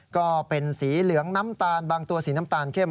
ก็เป็นสีเหลืองน้ำตาลบางตัวสีน้ำตาลเข้ม